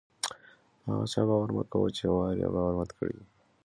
په هغه چا باور مه کوئ! چي یو وار ئې باور مات کړى يي.